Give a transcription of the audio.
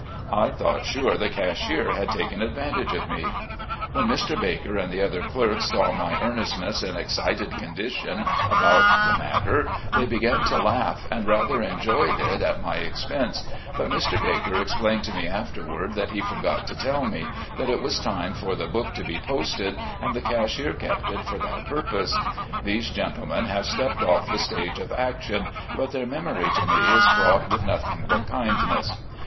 I thought sure the cashier had taken advantage of me. When Mr. Baker and the other clerks saw my earnestness and excited condition about the matter they began to laugh, and rather enjoyed it at my expense, but Mr. Baker explained to me afterward that he forgot to tell me, that it was time for the book to be posted, and the cashier kept it for that purpose. These gentlemen have stepped off the stage of action, but their memory to me is frought with nothing but kindness.